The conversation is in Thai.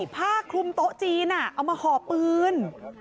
ผ้าคลุมโต๊ะจีนเอามาห่อปืน